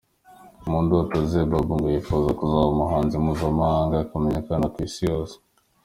Mu ndoto ze, Babou ngo yifuza kuzaba umuhanzi mpuzamahanga akamenyakana ku isihose.